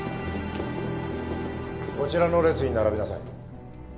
こちらの列に並びなさい。